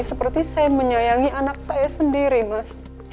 seperti saya menyayangi anak saya sendiri mas